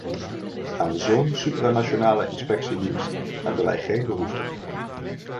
Aan zo'n supranationale inspectiedienst hebben wij geen behoefte.